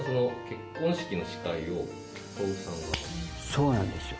そうなんですよ。